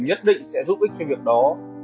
nhất định sẽ giúp ích cho việc đó